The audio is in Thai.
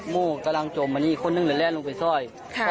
มูกกำลังจมอันนี้คนหนึ่งแหละแหละลงไปซ่อยครับ